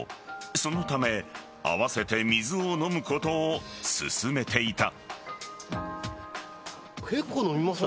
そのため、併せて水を飲むことを勧めていた。